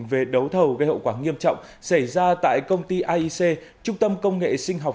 về đấu thầu gây hậu quả nghiêm trọng xảy ra tại công ty aic trung tâm công nghệ sinh học